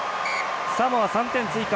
サモア、３点追加。